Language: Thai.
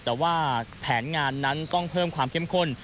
แต่ว่าแผนงานนั้นต้องเพิ่มความเข้มข้น